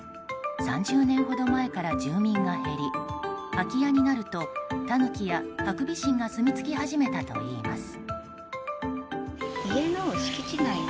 ３０年ほど前から住民が減り空き家になるとタヌキやハクビシンがすみ着き始めたといいます。